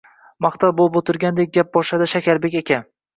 Mahtal bo`lib o`tirgandek gap boshladi Shakarbek aka